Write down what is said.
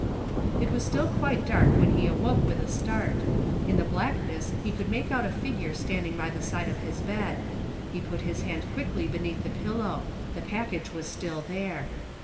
It was still quite dark when he awoke with a start. In the blackness he could make out a figure standing by the side of his bed. He put his hand quickly beneath his pillow; the package was still there.